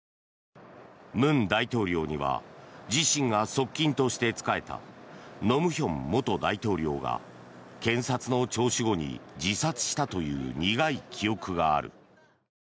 文大統領には自身が側近として仕えた盧武鉉元大統領が検察の聴取後に自殺したという苦い記憶がある。